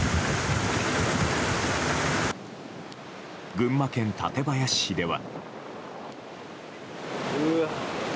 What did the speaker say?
群馬県館林市では。